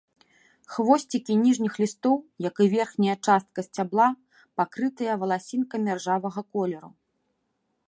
Хвосцікі ніжніх лістоў, як і верхняя частка сцябла, пакрытыя валасінкамі ржавага колеру.